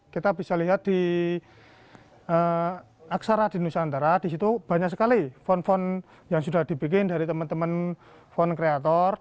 kita bisa lihat di aksara di nusantara di situ banyak sekali phone font yang sudah dibikin dari teman teman font kreator